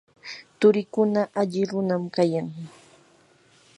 turiikuna alli runam kayan.